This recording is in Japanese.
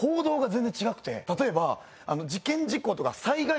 例えば。